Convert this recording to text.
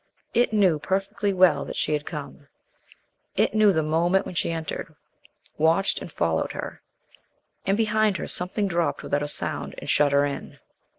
It knew perfectly well that she had come. It knew the moment when she entered; watched and followed her; and behind her something dropped without a sound and shut her in.